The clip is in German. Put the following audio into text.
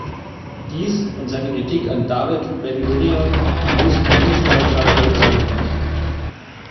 Dies und seine Kritik an David Ben-Gurion lösten in Israel scharfe Reaktionen aus.